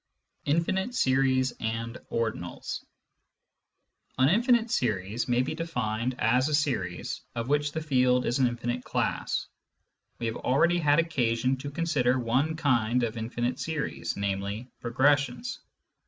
CHAPTER IX INFINITE SERIES AND ORDINALS An " infinite series " may be defined as a series of which the field is an infinite class. We have already had occasion to consider one kind of infinite series, namely, progressions.